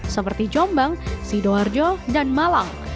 seperti jombang sidoarjo dan malang